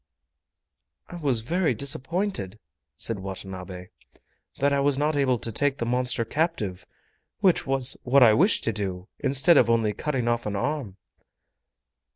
"I was very disappointed," said Watanabe, "that I was not able take the monster captive, which was what I wished to do, instead of only cutting off an arm!"